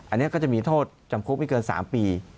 อันนี้ก็จะมีโทษจำคุกไม่เกิน๓ปี